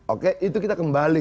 oke itu kita kembali